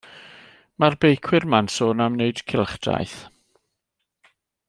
Mae'r beicwyr 'ma'n sôn am neud cylchdaith.